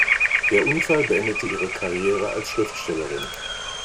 Der Unfall beendete ihre Karriere als Schriftstellerin.